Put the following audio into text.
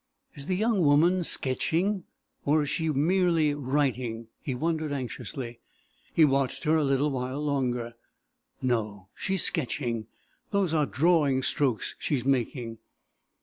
"Is the young woman sketching, or is she merely writing?" he wondered, anxiously. He watched her a little while longer. "No; she's sketching. Those are drawing strokes she's making."